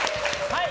はい！